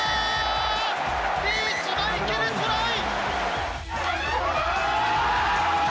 リーチマイケル、トライ。